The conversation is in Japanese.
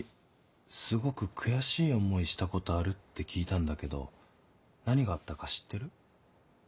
すごく悔しい思いしたことあるって聞いたんだけど何があったか知ってる？